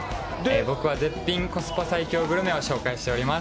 僕は絶品コスパ最強グルメを紹介しております。